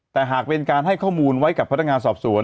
แต่หากเป็นการให้ข้อมูลไว้กับพนักงานสอบสวน